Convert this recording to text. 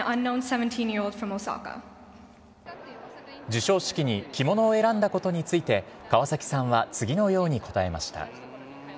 授賞式に着物を選んだことについて、川崎さんは次のように答えました。